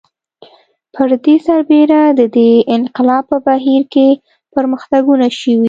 پر دې سربېره د دې انقلاب په بهیر کې پرمختګونه شوي